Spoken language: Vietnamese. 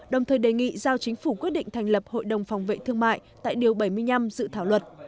đồng thời đề nghị giao chính phủ quyết định thành lập hội đồng phòng vệ thương mại tại điều bảy mươi năm dự thảo luật